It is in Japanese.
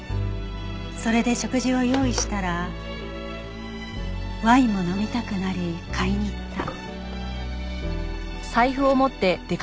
それで食事を用意したらワインも飲みたくなり買いに行った。